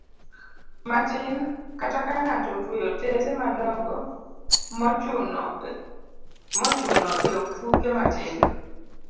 matin kata ka ng'ato otweyo otese madongo mochuno e ofuke matindo